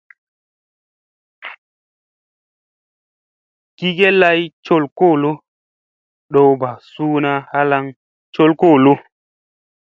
Gi ge lay col koolo, ɗowba suuna halaŋ col koolo.